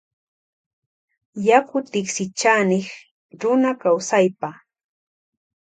Yaku tiksichanik runa kawsaypa.